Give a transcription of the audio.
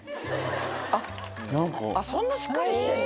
そんなしっかりしてんだ。